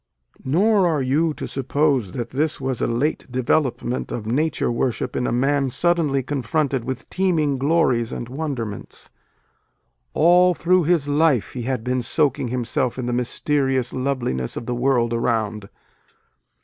Nor are you to suppose that this was a late development of nature worship in a man suddenly confronted with teeming glories and wonderments. All through his life he had been soaking himself in the mysterious love liness of the world around.